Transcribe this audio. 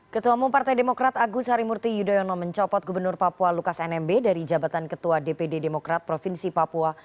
ketua mumpartai demokrat agus harimurti yudhoyono mencopot gubernur papua lukas nmb dari jabatan ketua dpd demokrat provinsi papua